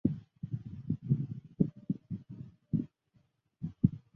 日本海侧气候指的是日本自北海道到山阴地方滨临日本海侧地区的冬型气候的特征。